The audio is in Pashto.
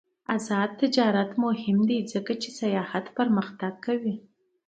آزاد تجارت مهم دی ځکه چې سیاحت پرمختګ کوي.